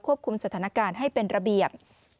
คุมสถานการณ์ให้เป็นระเบียบ